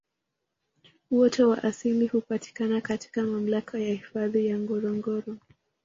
Uoto wa asili hupatikna katika mamlaka ya hifadhi ya Ngorongoro